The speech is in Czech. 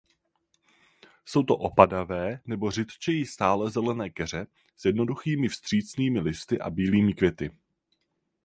Jsou to opadavé nebo řidčeji stálezelené keře s jednoduchými vstřícnými listy a bílými květy.